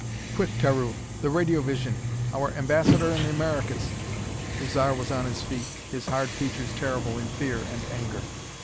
"Quick, Taru the radiovision! Our ambassador in the Americas!" The Zar was on his feet, his hard features terrible in fear and anger.